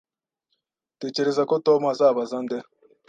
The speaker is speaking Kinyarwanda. Utekereza ko Tom azabaza nde?